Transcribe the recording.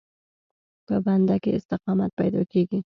په بنده کې استقامت پیدا کېږي.